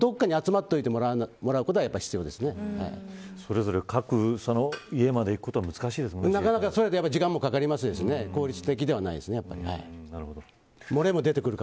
いずれにしてもどこかに集まっておいてもらうことはそれぞれ家まで行くことはなかなかそれは時間もかかりますし効率的がないですね。